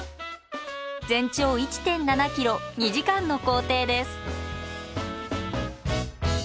全長１．７ｋｍ２時間の行程です。